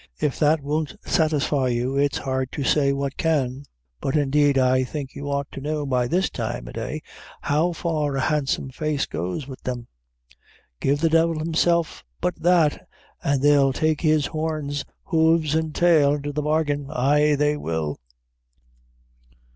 If that won't satisfy you it's hard to say what can; but indeed I think you ought to know by this time o' day how far a handsome face goes with them. Give the divil himself but that, and they'll take his horns, hooves, and tail into the bargain ay, will they."